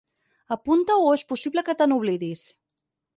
Apunta-ho o és possible que te n'oblidis.